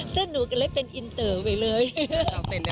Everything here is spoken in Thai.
ฉันไม่ติดใจพี่จินฉันติดใจนักข่าวเป็นอะไร